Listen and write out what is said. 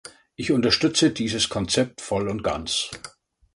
Ich unterstütze dieses Konzept voll und ganz.